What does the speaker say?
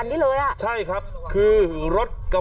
เสร็จละเปลี่ยน